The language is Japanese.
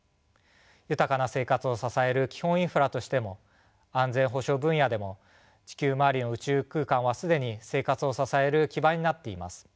豊かな生活を支える基本インフラとしても安全保障分野でも地球周りの宇宙空間は既に生活を支える基盤になっています。